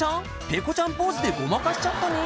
ペコちゃんポーズでごまかしちゃったね